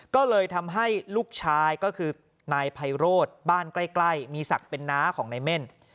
ก็เลยทำให้ลูกชายก็คือนายไพโรธบ้านใกล้มีศักดิ์เป็นน้าของนายเม่น